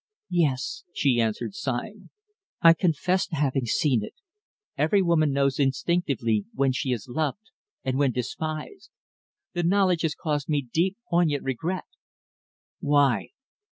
"Yes," she answered, sighing. "I confess to having seen it. Every woman knows instinctively when she is loved and when despised. The knowledge has caused me deep, poignant regret."